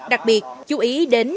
đặc biệt chú ý đến